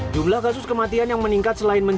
jumlah kasus kematian yang meningkat selain jawa timur